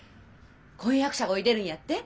婚約者がおいでるんやって？